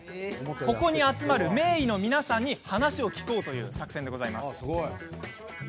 ここに集まる名医の皆さんに話を聞こうという作戦です。